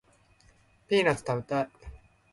ピーナッツ食べたい